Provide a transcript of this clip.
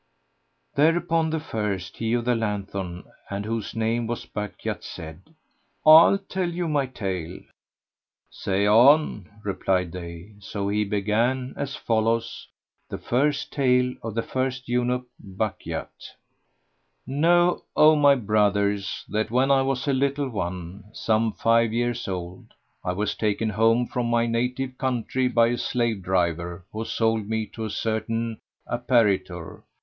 Thereupon the first, he of the lanthorn and whose name was Bukhayt, said, "I'll tell you my tale." "Say on," replied they; so he began as follows the Tale of the First Eunuch, Bukhayt. Know, O my brothers, that when I was a little one, some five years old, I was taken home from my native country by a slave driver who sold me to a certain Apparitor.